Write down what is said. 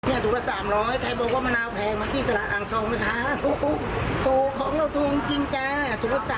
เยอะมาก๓๐๐ลูกใหญ่มากนะคะ